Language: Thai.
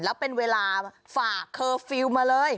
แล้วเป็นเวลาฝากเคอร์ฟิลล์มาเลย